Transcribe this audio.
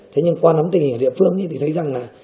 thế nhưng qua nắm tình ở địa phương thì thấy rằng là